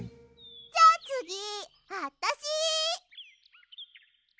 じゃあつぎあったし！